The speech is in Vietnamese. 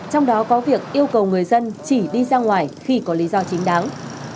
trong đó có việc yêu cầu người dân chỉ đi ra ngoài khi có lý do chính đáng